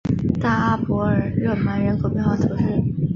大阿伯尔热芒人口变化图示